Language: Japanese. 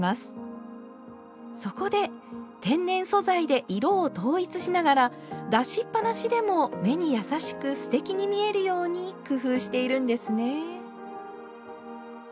そこで天然素材で色を統一しながら出しっ放しでも目に優しくすてきに見えるように工夫しているんですね。